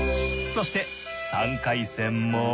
そして３回戦も。